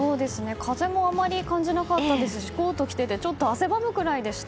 風もあまり感じなかったですしコートを着ていて汗ばむくらいでした。